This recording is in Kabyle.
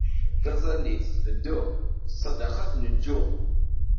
Taẓallit tfeddu, ssadaqa tneǧǧu.